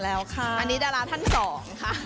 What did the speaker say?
อันนี้ดาราท่านสองค่ะ